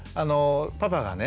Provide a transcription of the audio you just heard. パパがね